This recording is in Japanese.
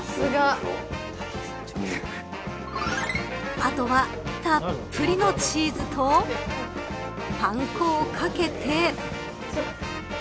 あとはたっぷりのチーズとパン粉をかけて。